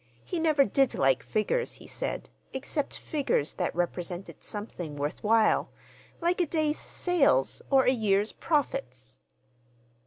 He never did like figures, he said, except figures that represented something worth while, like a day's sales or a year's profits.